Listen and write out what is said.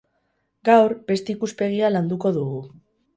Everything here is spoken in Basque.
Gaur, beste ikuspegia landuko dugu.